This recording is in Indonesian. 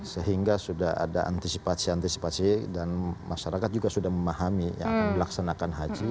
sehingga sudah ada antisipasi antisipasi dan masyarakat juga sudah memahami yang akan melaksanakan haji